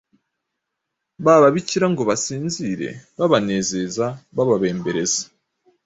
bababikira ngo basinzire, babanezeza, bababembereza.